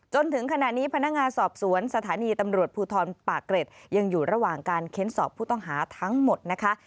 จนถึงขณะนี้พนักงานสอบสวนสถานีตำรวจภูทรปากเกร็ดยังอยู่ระหว่างการเค้นสอบผู้ต้องหาทั้งหมดนะคะ